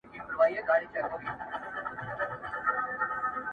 چي هر ځای به یو قاتل وو دی یې یار وو!